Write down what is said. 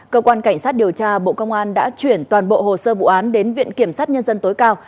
cơ quan cảnh sát điều tra bộ công an đã chuyển toàn bộ hồ sơ vụ án đến viện kiểm sát nhân dân tối cao